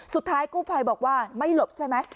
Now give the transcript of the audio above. สุดท้ายกู้ภัยบอกว่าไม่หลบใช่ไหม